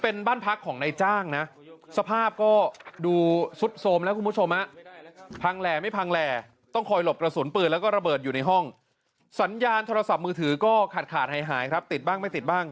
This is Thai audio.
เป็นบั้นภคั่งของในจ้างน่ะสภาพก็ดูซุดโทรมแล้วคุณผู้ชม